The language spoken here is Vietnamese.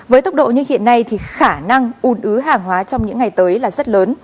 với tốc độ như hiện nay thì khả năng ủn ứ hàng hóa trong những ngày tới là rất lớn